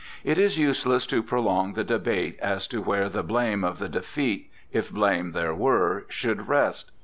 It is useless to prolong the debate as to where the blame of the defeat, if blame there were, should rest.